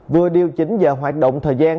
vừa điều chỉnh giờ hoạt động thời gian